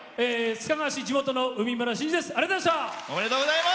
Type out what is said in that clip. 須賀川市地元のうみむらです。